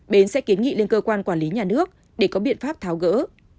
bến sẽ kiến nghị lên cơ quan quản lý nhà nước để có biện pháp tháo gỡ